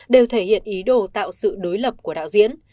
đều thể hiện ý đồ tạo sự đối lập của đạo diễn